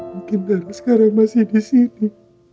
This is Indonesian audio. mungkin karena sekarang masih di sini